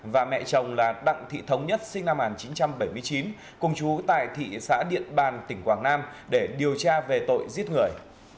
và mẹ chồng là đặng thị thống nhất sinh năm một nghìn chín trăm bảy mươi chín cùng chú tại thị xã điện bàn tỉnh quảng nam để điều tra về tội giết người